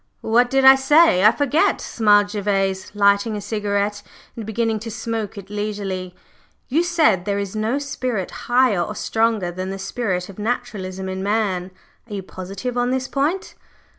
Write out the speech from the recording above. "What did I say? I forget!" smiled Gervase, lighting a cigarette and beginning to smoke it leisurely. "You said, 'There is no spirit higher or stronger than the spirit of naturalism in man.' Are you positive on this point?"